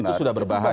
itu sudah berbahaya